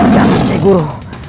jangan syekh guru